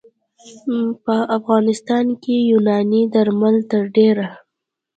په افغانستان کې یوناني درمل تر ډېره